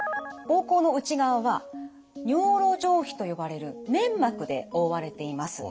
膀胱の内側は尿路上皮と呼ばれる粘膜で覆われています。